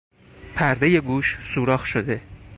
پردهی گوش سوراخ شده